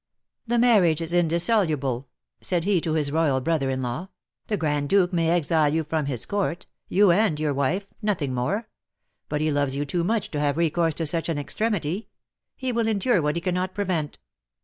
"The marriage is indissoluble," said he to his royal brother in law; "the Grand Duke may exile you from his court, you and your wife, nothing more; but he loves you too much to have recourse to such an extremity. He will endure what he cannot prevent."